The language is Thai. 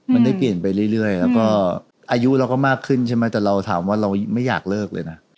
มันได้เปลี่ยนไปเรื่อยแล้วก็อายุเราก็มากขึ้นใช่ไหมแต่เราถามว่าเราไม่อยากเลิกเลยนะ